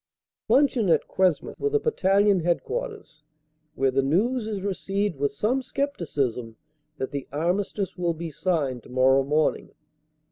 Luncheon at Cuesmes with a Battalion Headquarters, where the news is received with some scepticism that the Armistice will be signed tomorrow morning.